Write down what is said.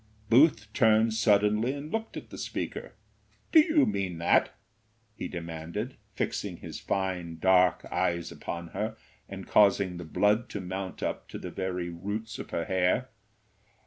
Booth turned suddenly and looked at the speaker. "Do you mean that?" he demanded, fixing his fine, dark eyes upon her, and causing the blood to mount up to the very roots of her hair.